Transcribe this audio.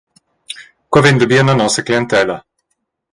Quei vegn dabien a nossa clientella.